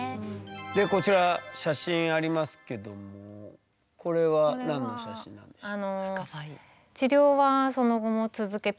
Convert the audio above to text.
でこちら写真ありますけどもこれは何の写真なんですか？